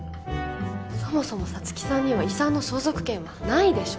そもそも皐月さんには遺産の相続権はないでしょ